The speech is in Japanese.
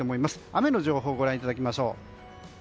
雨の情報をご覧いただきましょう。